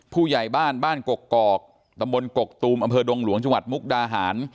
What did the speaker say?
ผู้ใหญ่บ้านบ้านกกอกตำบลกกตูมอำเภอดงหลวงจังหวัดมุกดาหาร